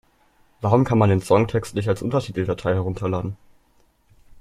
Warum kann man den Songtext nicht als Untertiteldatei herunterladen?